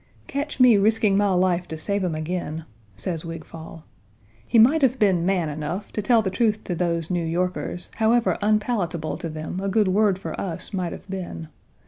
"Catch me risking my life to save him again," says Wigfall. "He might have been man enough to tell the truth to those New Yorkers, however unpalatable to them a good word for us might have been.